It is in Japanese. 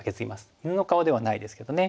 犬の顔ではないですけどね。